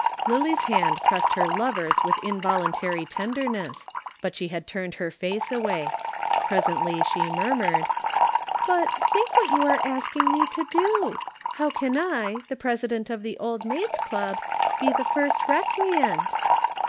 Lillie's hand pressed her lover's with involuntary tenderness, but she had turned her face away. Presently she murmured: "But think what you are asking me to do? How can I, the President of the Old Maid's Club, be the first recreant?"